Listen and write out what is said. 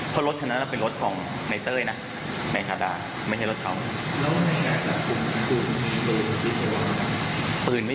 เพราะรถคันนั้นเป็นรถของในเต้ยนะในคาดาไม่ใช่รถเขา